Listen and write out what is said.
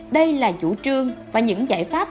đây là chủ trương và những giải pháp